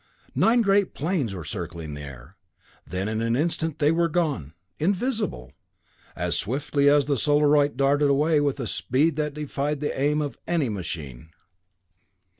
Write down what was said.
Nine great planes were circling in the air; then in an instant they were gone, invisible. As swiftly the Solarite darted away with a speed that defied the aim of any machine.